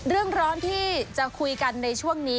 ร้อนที่จะคุยกันในช่วงนี้